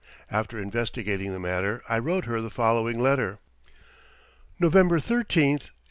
After investigating the matter I wrote her the following letter: November 13, 1878.